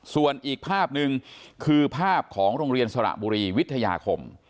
ส่วนอีกภาพหนึ่งคือภาพของโรงเรียนสระบุรีวิทยาคม